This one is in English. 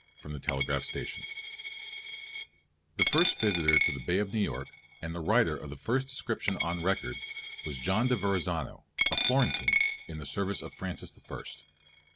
The first visitor to the Bay of New York, and the writer of the first description on record, was John de Verrazzano, a Florentine, in the service of Francis the First.